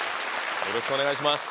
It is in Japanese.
よろしくお願いします。